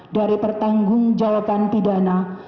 dari pertanggung jawaban pidana